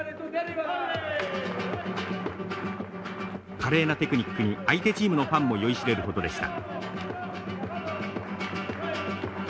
華麗なテクニックに相手チームのファンも酔いしれるほどでした。